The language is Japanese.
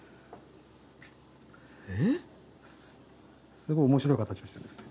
すごい面白い形をしてるんですね。